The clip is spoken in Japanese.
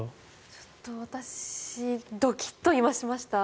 ちょっと私、ドキッと今しました。